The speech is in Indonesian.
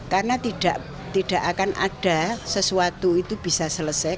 karena tidak akan ada sesuatu itu bisa selesai